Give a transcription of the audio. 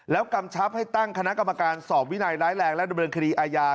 แล้วกำชับให้ตั้งคณะกรรมการสอบวินัยร้ายแรงและดำเนินคดีอาญา